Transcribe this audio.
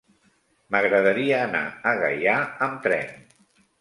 M'agradaria anar a Gaià amb tren.